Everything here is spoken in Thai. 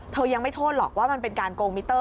เธอยังไม่โทษหรอกว่ามันเป็นการโกงมิเตอร์